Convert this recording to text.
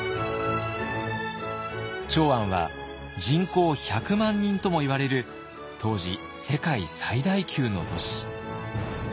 長安は人口１００万人ともいわれる当時世界最大級の都市。